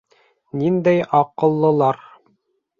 Ниндәй аҡыллылар.